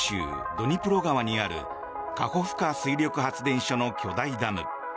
ドニプロ川にあるカホフカ水力発電所の巨大ダム。